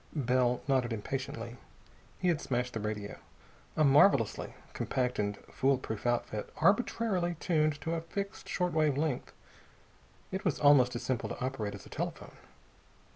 Bell nodded impatiently. He had smashed the radio, a marvelously compact and foolproof outfit, arbitrarily tuned to a fixed short wave length. It was almost as simple to operate as a telephone.